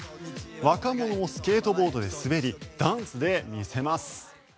若者もスケートボードで滑りダンスで見せます。